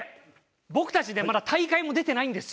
僕たちねまだ大会も出てないんですよ。